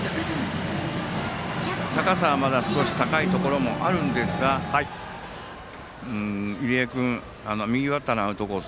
高さはまだ少し高いところもありますが入江君右バッターのアウトコース